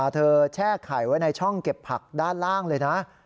แช่ไข่ไว้ในช่องเก็บผักด้านล่างเลยนะ